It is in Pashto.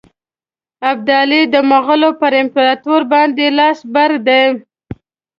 ابدالي د مغولو پر امپراطور باندي لاس بر دی.